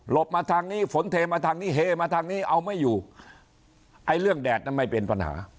มาทางนี้ฝนเทมาทางนี้เฮมาทางนี้เอาไม่อยู่ไอ้เรื่องแดดนั้นไม่เป็นปัญหา